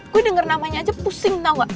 gue denger namanya aja pusing tau gak